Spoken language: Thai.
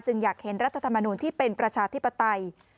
อยากเห็นรัฐธรรมนูลที่เป็นประชาธิปไตย